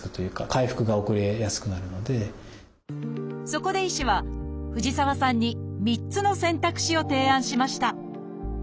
そこで医師は藤沢さんに３つの選択肢を提案しました。